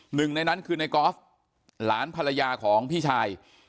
หนึ่งในนั้นคือในกอล์ฟหลานภรรยาของพี่ชาย